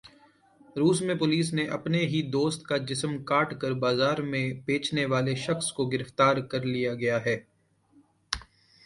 روس میں پولیس نے اپنے ہی دوست کا جسم کاٹ کر بازار میں بیچنے والے شخص کو گرفتار کرلیا گیا ہے